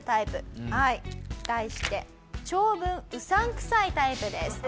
題して長文うさんくさいタイプです。